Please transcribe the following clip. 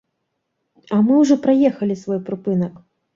А мы ўжо праехалі свой прыпынак.